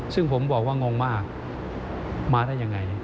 ซึ่งผมบอกว่างงมากมาได้ยังไง